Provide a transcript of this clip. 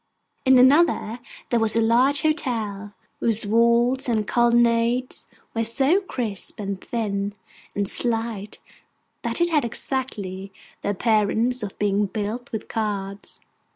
In another there was a large hotel, whose walls and colonnades were so crisp, and thin, and slight, that it had exactly the appearance of being built with cards.